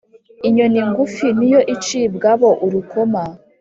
Inyoni ngufi ni yo icibwabo urukoma